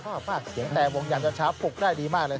อ้าวเสียงแต่งวงหยันต์จันทราบปลูกได้ดีมากเลย